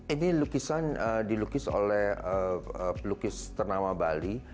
ini dilukis oleh pelukis ternama bali